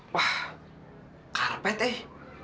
wah karpet eh